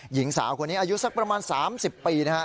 หญิงสาวคนนี้อายุสักประมาณ๓๐ปีนะครับ